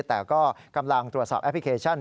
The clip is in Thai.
แต่ก็กำลังตรวจสอบแอปพลิเคชัน